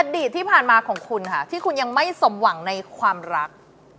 อดีตที่ผ่านมาของคุณค่ะที่คุณยังไม่สมหวังในความรัก